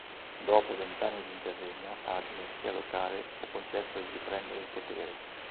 Dopo vent'anni di interregno, alla dinastia locale fu concesso di riprendere il potere.